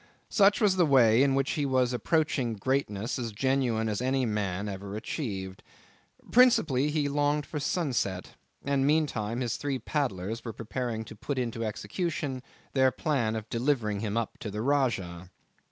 Such was the way in which he was approaching greatness as genuine as any man ever achieved. Principally, he longed for sunset; and meantime his three paddlers were preparing to put into execution their plan of delivering him up to the Rajah.